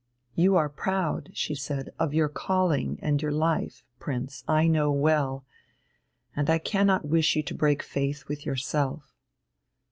"You are proud," she said, "of your calling and your life, Prince, I know well, and I cannot wish you to break faith with yourself."